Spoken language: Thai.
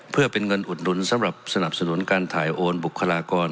เพื่อเป็นเงินอุดหนุนสำหรับสนับสนุนการถ่ายโอนบุคลากร